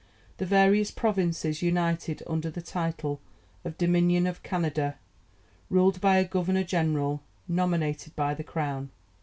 The various provinces united under the title of Dominion of Canada, ruled by a Governor General, nominated by the Crown.